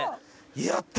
やった！